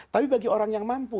tapi bagi orang yang mampu